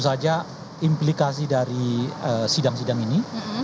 apa saja implikasi dari sidang sidang ini